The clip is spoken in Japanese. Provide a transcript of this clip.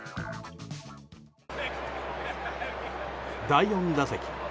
第４打席。